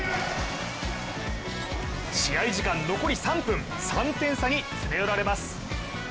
試合時間、残り３分３点差に詰め寄られます。